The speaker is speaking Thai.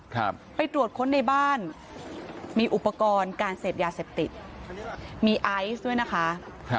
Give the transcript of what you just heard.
ครับไปตรวจค้นในบ้านมีอุปกรณ์การเสพยาเสพติดมีไอซ์ด้วยนะคะครับ